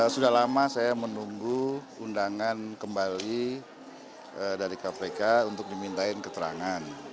sudah lama saya menunggu undangan kembali dari kpk untuk dimintain keterangan